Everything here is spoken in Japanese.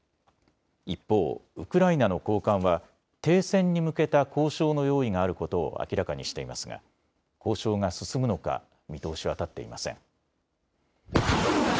一方、ウクライナの高官は停戦に向けた交渉の用意があることを明らかにしていますが交渉が進むのか見通しは立っていません。